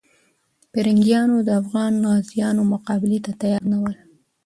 پرنګیانو د افغان غازیانو مقابلې ته تیار نه ول.